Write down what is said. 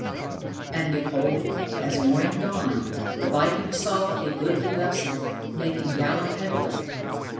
And behold, as morning dawned, the viking saw a goodly vessel making gallant headway.